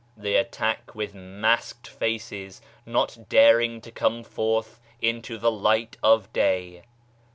They attack with masked faces, not daring to come forth into the Light of day.